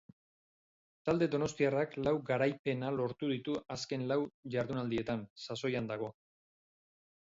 Talde donostiarrak lau garaipena lortu ditu azken lau jardunaldietan, sasoian dago.